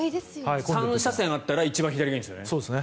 ３車線あったら一番左がいいんですよね。